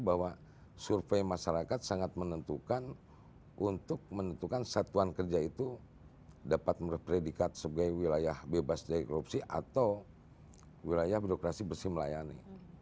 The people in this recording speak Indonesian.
karena survei masyarakat sangat menentukan untuk menentukan satuan kerja itu dapat memperpedikat sebagai wilayah bebas dari korupsi atau wilayah berokrasi bersih melayani